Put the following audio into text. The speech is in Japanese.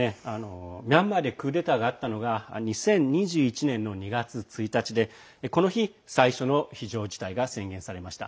ミャンマーでクーデターがあったのが２０２１年の２月１日でこの日、最初の非常事態が宣言されました。